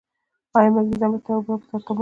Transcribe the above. آیا مګنیزیم له تیزابو سره تعامل کوي؟